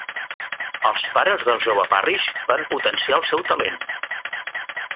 Els pares del jove Parrish van potenciar el seu talent.